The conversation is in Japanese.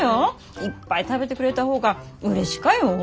いっぱい食べてくれた方がうれしかよ。